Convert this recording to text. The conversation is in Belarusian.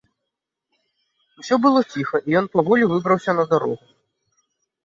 Усё было ціха, і ён паволі выбраўся на дарогу.